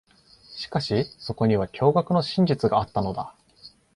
しかし、そこには驚愕の真実があったのだ。